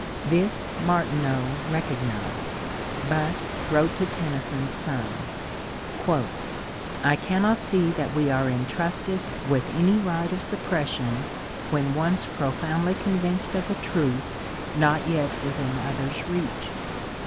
This Martineau recognized, but wrote to Tennyson's son, ^^ I cannot see that we are entrusted with any right of suppression when once pro foundly convinced of a truth not yet within others' reach."